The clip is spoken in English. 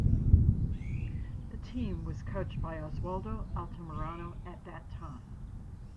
The team was coached by Oswaldo Altamirano at that time.